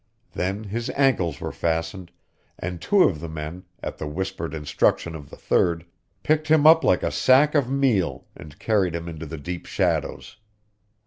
Then his ankles were fastened, and two of the men, at the whispered instruction of the third, picked him up like a sack of meal and carried him into the deep shadows.